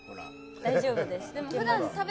大丈夫です